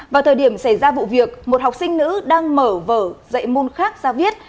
vào thời điểm xảy ra vụ việc một học sinh nữ đang mở vở dạy môn khác ra viết